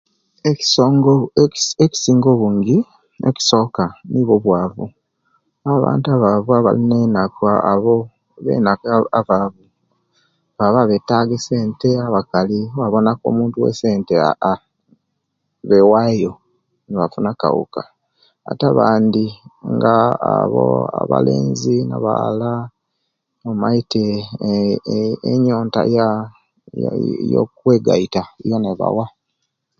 Ekisinga ekisinga obungi ekisoka nikwo obwaavu abantu abaavu abalina ennaku abo abe'nnaku abaavu babba ebettaga esente abakali owebabonaku omuntu owe'sente aaaha nebewayo nebafuna akawuka ate abandi nga abo abalenzi na'bawala omaite eee eee onyonta ya ya yakwegaita yona ebawa